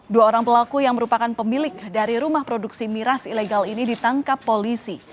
dua orang pelaku yang merupakan pemilik dari rumah produksi miras ilegal ini ditangkap polisi